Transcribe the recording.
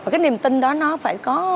cái niềm tin đó nó phải có